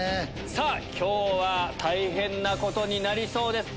今日は大変なことになりそうです！